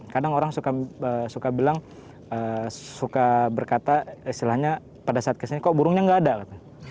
kadang orang suka bilang suka berkata istilahnya pada saat kesini kok burungnya nggak ada kata